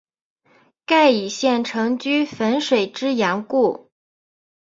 盖以县城居汾水之阳故。